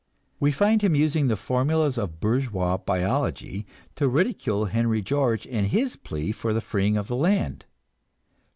We find him using the formulas of bourgeois biology to ridicule Henry George and his plea for the freeing of the land.